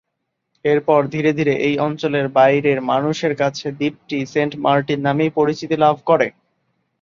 এরপর ধীরে ধীরে এই অঞ্চলের বাইরের মানুষের কাছে, দ্বীপটি সেন্ট মার্টিন নামেই পরিচিত লাভ করে।